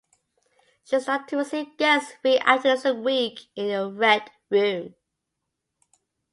She started to receive guests three afternoons a week in the Red Room.